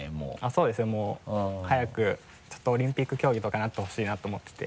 そうですねもう早くオリンピック競技とかなってほしいなと思ってて。